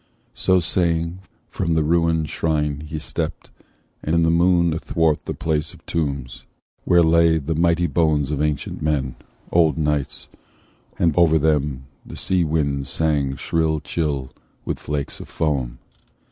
So saying, from the ruined shrine he stept, And in the moon athwart the place of tombs, Where lay the mighty bones of ancient men, Old knights, and over them the sea wind sang Shrill, chill, with flakes of foam.